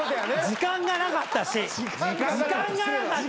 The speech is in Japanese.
時間がなかったし！